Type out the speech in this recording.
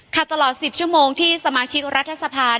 ค่ะตลอด๑๐ชมที่สมาชิกรัฐสภาพรณ์